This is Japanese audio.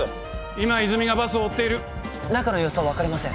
今泉がバスを追っている中の様子は分かりません